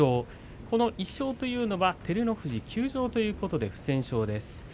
この１勝というのは照ノ富士休場ということで、不戦勝です。